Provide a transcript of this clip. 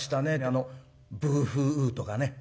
あの「ブーフーウー」とかね